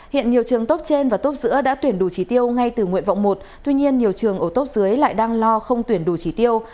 hiện nhiều trường tốt trên và tốt giữa đã tuyển đủ trí tiêu ngay từ nguyện vọng một tuy nhiên nhiều trường ở tốt dưới lại đang lo không tuyển đủ chỉ tiêu